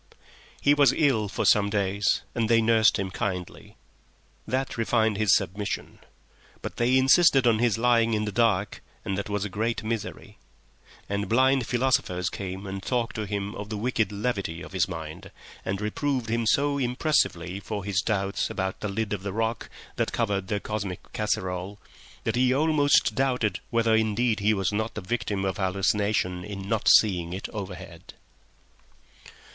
He was ill for some days and they nursed him kindly. That refined his submission. But they insisted on his lying in the dark, and that was a great misery. And blind philosophers came and talked to him of the wicked levity of his mind, and reproved him so impressively for his doubts about the lid of rock that covered their cosmic casserole that he almost doubted whether indeed he was not the victim of hallucination in not seeing it overhead.